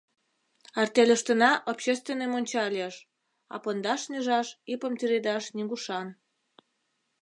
— Артельыштына общественный монча лиеш, а пондаш нӱжаш, ӱпым тӱредаш нигушан.